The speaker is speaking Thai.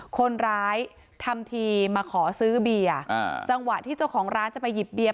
คนร้ายทำทีมาขอซื้อเบียร์จังหวะที่เจ้าของร้านจะไปหยิบเบียร์